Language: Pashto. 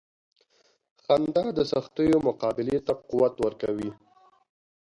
• خندا د سختیو مقابلې ته قوت ورکوي.